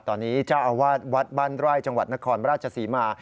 ตอนนี้เจ้าอาวาสวัดบ้านไร่จังหวัดนครราชศรีมา